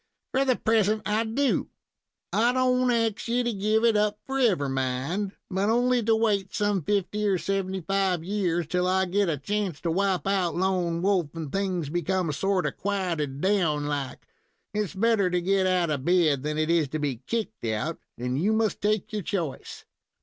"For the present I do; I don't ax you to give it up forever, mind, but only to wait some fifty or seventy five years, till I get a chance to wipe out Lone Wolf, and things become sorter quieted down like. It's better to get out of bed than it is to be kicked out, and you must take your choice."